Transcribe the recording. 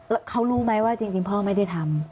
แล้วเขารู้ไหมว่าจริงพ่อไม่ได้ทำ